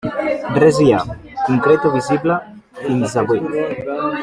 Res hi ha, concret o visible, fins avui.